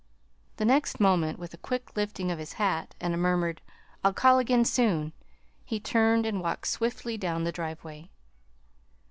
The next moment, with a quick lifting of his hat and a murmured "I'll call again soon," he turned and walked swiftly down the driveway.